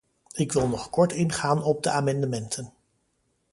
Ik wil nog kort ingaan op de amendementen.